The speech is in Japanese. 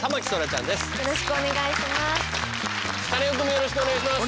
よろしくお願いします。